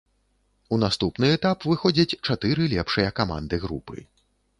У наступны этап выходзяць чатыры лепшыя каманды групы.